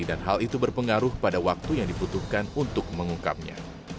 dan hal itu berpengaruh pada waktu yang dibutuhkan untuk mengungkapnya